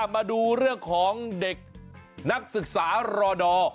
มาดูเรื่องของเด็กนักศึกษารอดอร์